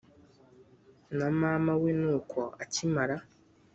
na mama we nuko akimara